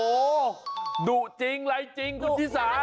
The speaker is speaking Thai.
โอ้โหดุจริงอะไรจริงคุณชิสา